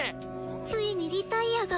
ついにリタイアが。